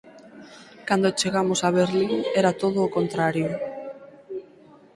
Cando chegamos a Berlín era todo o contrario.